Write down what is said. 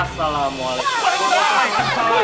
insya allah umur udah nggak muda lagi